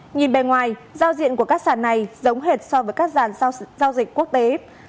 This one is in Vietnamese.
nhìn bề ngoài giao diện của các sản này giống hệt so với các sản giao dịch quốc tế